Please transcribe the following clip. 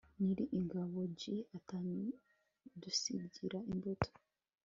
nyir ingabo g atadusigira imbuto